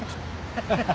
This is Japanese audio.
ハハハハ。